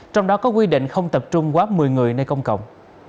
trong đó có quy định không tập trung quá một mươi người nơi công cộng